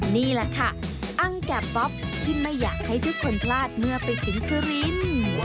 นี่แหละค่ะอังแก่ป๊อปที่ไม่อยากให้ทุกคนพลาดเมื่อไปถึงสุรินทร์